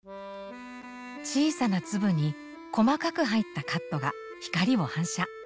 小さな粒に細かく入ったカットが光を反射。